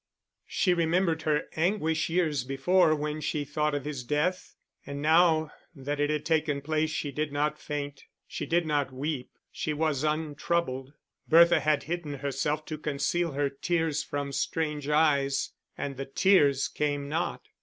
She remembered her anguish years before when she thought of his death; and now that it had taken place she did not faint, she did not weep, she was untroubled. Bertha had hidden herself to conceal her tears from strange eyes, and the tears came not.